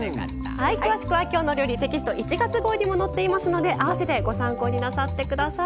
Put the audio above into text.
詳しくは「きょうの料理」テキスト１月号にも載っていますので併せてご参考になさって下さい。